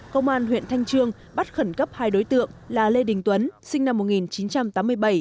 công an huyện thanh trương bắt khẩn cấp hai đối tượng là lê đình tuấn sinh năm một nghìn chín trăm tám mươi bảy